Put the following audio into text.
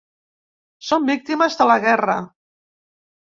'Som víctimes de la guerra'.